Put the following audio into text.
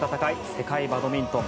世界バドミントン。